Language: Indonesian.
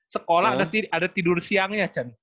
sekolah ada tidur siangnya cen